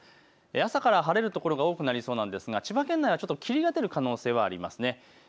朝から晴れる所が多くなりそうなんですが千葉県内は霧が出る可能性があります。